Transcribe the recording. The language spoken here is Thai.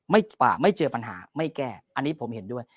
ไม่เจอปัญหาไม่แก้อันนี้ผมเห็นด้วย